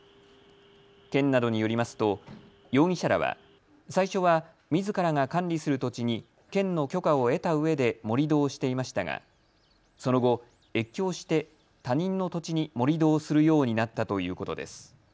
県などによりますと容疑者らは最初はみずからが管理する土地に県の許可を得たうえで盛土をしていましたがその後、越境して他人の土地に盛り土をするようになったということです。